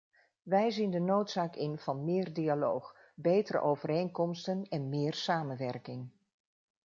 Wij zien de noodzaak in van meer dialoog, betere overeenkomsten en meer samenwerking.